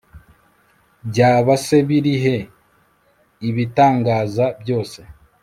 byaba se biri he, ibitangaza byose